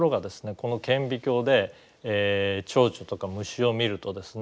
この顕微鏡でチョウチョとか虫を見るとですね